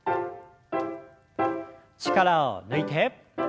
力を抜いて。